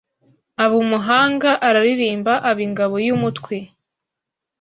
aba umuhanga, araririmba aba ingabo y’umutwe